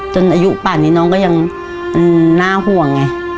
อายุป่านนี้น้องก็ยังน่าห่วงไง